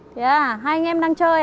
thì à hai anh em đang chơi à